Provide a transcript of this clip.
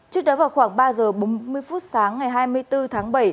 trước đó vào khoảng ba giờ bốn mươi phút sáng ngày hai mươi bốn tháng bảy